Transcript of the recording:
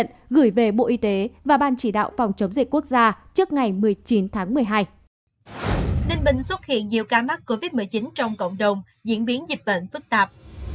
ninh bình xuất hiện nhiều ca mắc covid một mươi chín trong cộng đồng diễn biến dịch bệnh phức tạp